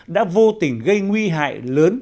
đã vô tình gây nguy hại lớn